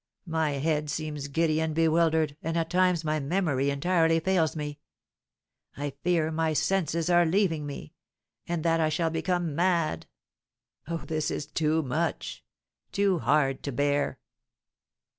My head seems giddy and bewildered, and at times my memory entirely fails me. I fear my senses are leaving me, and that I shall become mad. Oh, this is too much too hard to bear!"